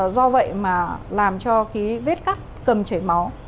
do vậy mà làm cho cái vết cắt cầm chảy máu